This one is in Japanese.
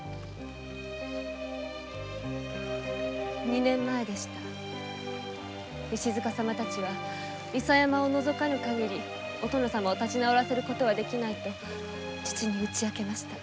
二年前でした石塚様たちは伊佐山を除かぬかぎりお殿様を立ち直らせる事はできないと父に打ち明けました。